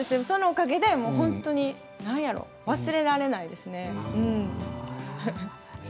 そのおかげで何やろ、忘れられないですね。